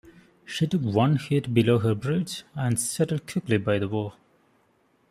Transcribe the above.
She took one hit below her bridge and settled quickly by the bow.